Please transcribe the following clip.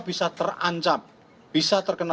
bisa terancap bisa terkena